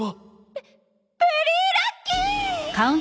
ベベリーラッキー！